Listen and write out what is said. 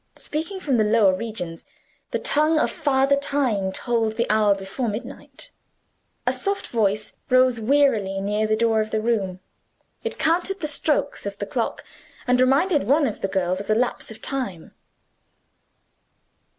Speaking from the lower regions, the tongue of Father Time told the hour before midnight. A soft voice rose wearily near the door of the room. It counted the strokes of the clock and reminded one of the girls of the lapse of time.